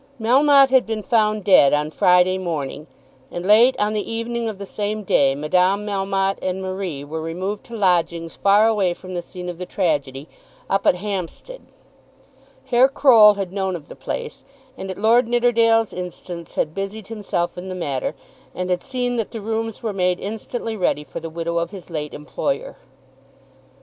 Melmotte had been found dead on Friday morning, and late on the evening of the same day Madame Melmotte and Marie were removed to lodgings far away from the scene of the tragedy, up at Hampstead. Herr Croll had known of the place, and at Lord Nidderdale's instance had busied himself in the matter, and had seen that the rooms were made instantly ready for the widow of his late employer.